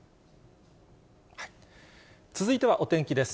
続いてはお天気です。